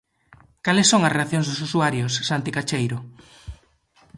Cales son as reaccións dos usuarios, Santi Cacheiro?